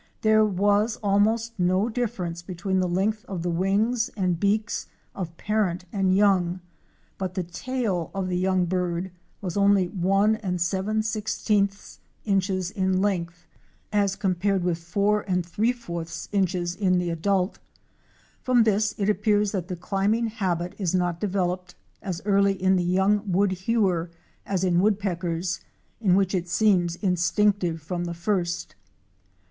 There was almost no difference between the length of the wings and beaks of parent and young, but the tail of the young bird was only 11' inches in length as compared with 340 OUR SEARCH FOR A WILDERNESS. 4? inches in the adult. From this it appears that the climbing habit is not developed as early in the young Woodhewer as in Woodpeckers, in which it seems instinctive from the first.